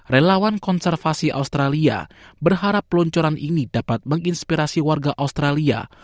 relawan konservasi australia berharap peluncuran ini dapat menginspirasi warga australia